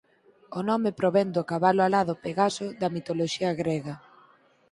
O nome provén do cabalo alado Pegaso da mitoloxía grega.